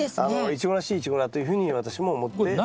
イチゴらしいイチゴだというふうに私も思っております。